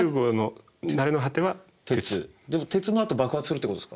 でも鉄になると爆発するってことですか？